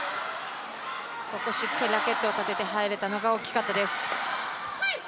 ここ、しっかりラケットを立てて入れたのが大きかったです。